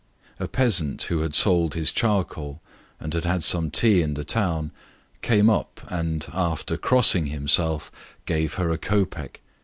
A peasant, who had sold his charcoal, and had had some tea in the town, came up, and, after crossing himself, gave her a copeck.